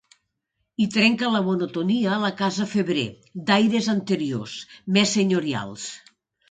Hi trenca la monotonia la casa Febrer, d'aires anteriors, més senyorials.